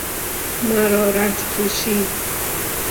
مرارت کشی